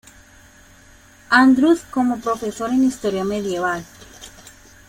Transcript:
Andrews como profesor en Historia Medieval.